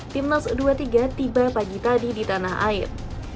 timnas u dua puluh tiga tiba pagi tadi di tanah air